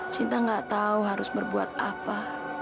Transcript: cinta gak tahu harus berbuat apa